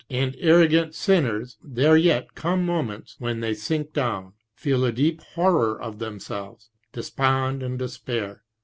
137 arrogant sinners, there yet come moments when they sink down, feel a deep horror of themselves, despond and despair.